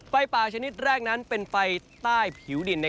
ไฟป่าชนิดแรกนั้นเป็นไฟใต้ผิวดิน